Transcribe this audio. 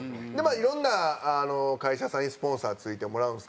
いろんな会社さんにスポンサー付いてもらうんですけど。